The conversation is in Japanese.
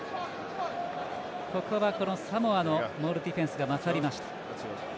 ここはサモアのモールディフェンスが勝りました。